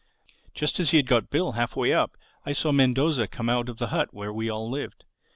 Just as he had got Bill halfway up I saw Mendoza come out of the hut where we all lived.